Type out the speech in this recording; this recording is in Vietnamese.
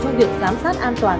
cho việc giám sát an toàn